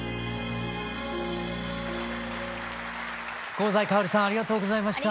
香西かおりさんありがとうございました。